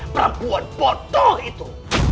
perempuan bodoh itu